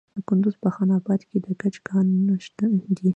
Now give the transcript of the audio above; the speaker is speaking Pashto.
د کندز په خان اباد کې د ګچ کانونه دي.